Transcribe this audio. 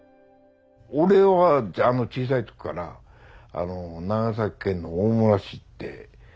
俺は小さい時から長崎県の大村市って。